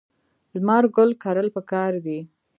لمر ګل کرل پکار دي.